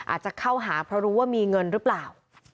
อาจจะเข้าหาเพราะรู้ว่ามีเงินหรือเปล่า